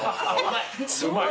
うまい。